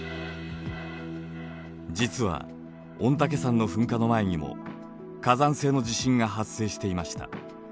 実は御嶽山の噴火の前にも火山性の地震が発生していました。